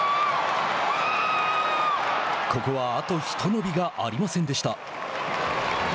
ここは、あと一伸びがありませんでした。